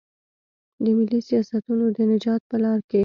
د ملي سیاستونو د نجات په لار کې.